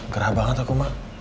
gerah banget aku ma